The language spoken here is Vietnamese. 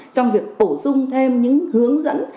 trong việc bổ sung thêm những hướng dẫn